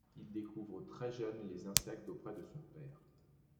Il découvre très jeune les insectes auprès de son père.